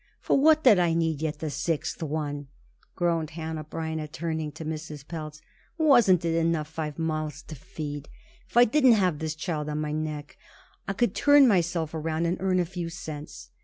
"For what did I need yet the sixth one?" groaned Hanneh Breineh, turning to Mrs. Pelz. "Wasn't it enough five mouths to feed? If I didn't have this child on my neck, I could turn myself around and earn a few cents."